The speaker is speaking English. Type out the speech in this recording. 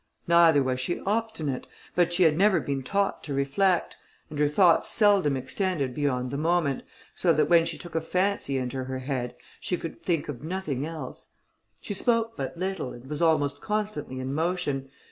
Neither was she obstinate, but she had never been taught to reflect, and her thoughts seldom extended beyond the moment; so that when she took a fancy into her head, she could think of nothing else. She spoke but little, and was almost constantly in motion.